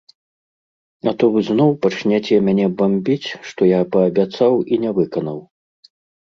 А то вы зноў пачняце мяне бамбіць, што я паабяцаў і не выканаў.